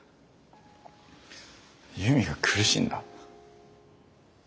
悠美が苦しんだ？